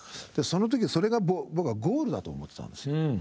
その時それが僕はゴールだと思ってたんですよ。